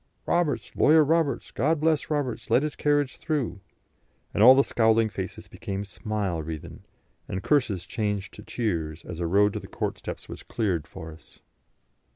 "Roberts! Lawyer Roberts! God bless Roberts! Let his carriage through." And all the scowling faces became smile wreathen, and curses changed to cheers, as a road to the court steps was cleared for us.